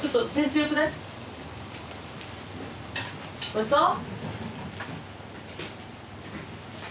ごちそう？